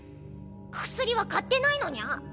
薬は買ってないのニャ？